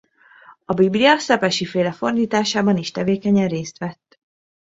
A Biblia Szepessy-féle fordításában is tevékeny részt vett.